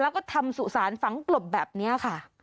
แล้วก็ทำสุสานฝังกลบแบบนี้ค่ะ